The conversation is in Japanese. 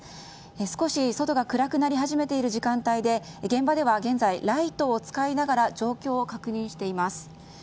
少し外が暗くなり始めている時間帯で現場では現在ライトを使いながら状況を確認しています。